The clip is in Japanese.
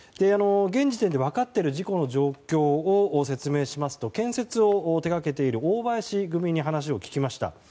現時点で分かっている事故の状況を説明しますと建設を手掛けている大林組に話を聞きました。